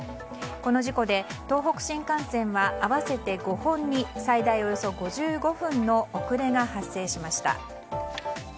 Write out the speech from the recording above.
この事故で東北新幹線は合わせて５本に最大およそ５５分の遅れが発生しました。